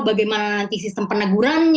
bagaimana nanti sistem peneguran